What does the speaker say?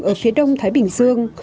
ở phía đông thái bình dương